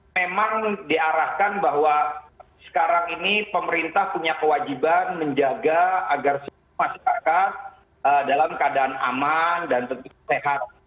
memang diarahkan bahwa sekarang ini pemerintah punya kewajiban menjaga agar semua masyarakat dalam keadaan aman dan tentu sehat